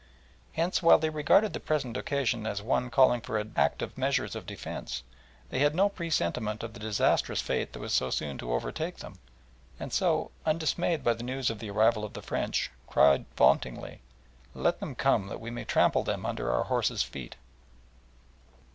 Hence, while they regarded the present occasion as one calling for active measures of defence, they had no presentiment of the disastrous fate that was so soon to overtake them, and so, undismayed by the news of the arrival of the French, cried vauntingly, "Let them come that we may trample them under our horses' feet!"